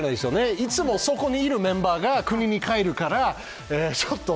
いつもそこにいるメンバーが国に帰るから。